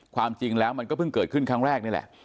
ความจริงแล้วมันก็เพิ่งเกิดขึ้นครั้งแรกนี่แหละ